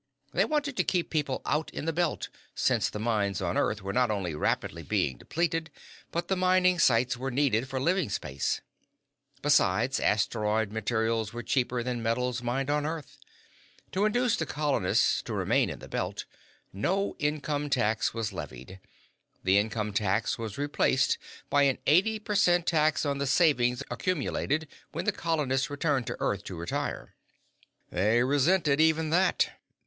They wanted to keep people out in the Belt, since the mines on Earth were not only rapidly being depleted, but the mining sites were needed for living space. Besides, asteroid metals were cheaper than metals mined on Earth. To induce the colonists to remain in the Belt, no income tax was levied; the income tax was replaced by an eighty per cent tax on the savings accumulated when the colonist returned to Earth to retire. "They resented even that.